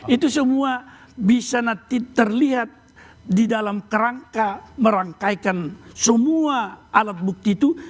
itu semua bisa nanti terlihat di dalam kerangka merangkaikan semua alat bukti itu